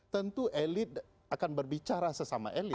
tentu elit akan berbicara sesama elit